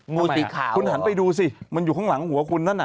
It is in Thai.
งูสีขาวคุณหันไปดูสิมันอยู่ข้างหลังหัวคุณนั่นน่ะ